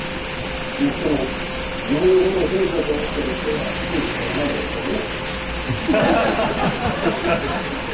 もっとも自分のことを天使だと思ってる人は天使ではないでしょうね。